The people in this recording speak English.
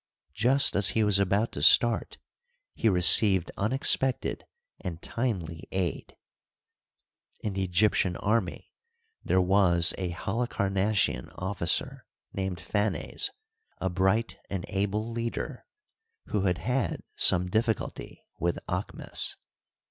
Just as he was about to start, he re ceived unexpected and timely aid, In the Egyptian army there was a Halicamassian officer named Phanes, a bright and able leader who had had some difficulty with Aahmes.